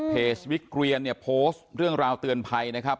วิกเรียนเนี่ยโพสต์เรื่องราวเตือนภัยนะครับ